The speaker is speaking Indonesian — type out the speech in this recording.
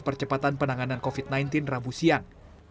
percepatan penanganan covid sembilan belas rabu siang